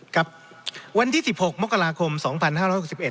ครับวันที่สิบหกมกราคมสองพันห้าห้าสิบเมื่อ